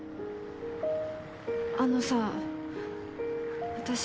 あのさ私。